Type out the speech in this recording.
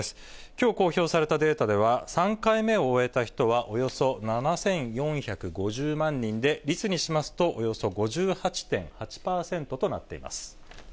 きょう公表されたデータでは、３回目を終えた人はおよそ７４５０万人で、率にしますとおよそ５８．８％となっています。